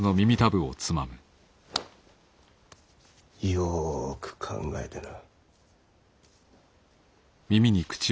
よく考えてな。